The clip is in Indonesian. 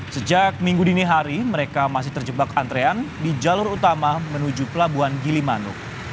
sejak minggu dini hari mereka masih terjebak antrean di jalur utama menuju pelabuhan gilimanuk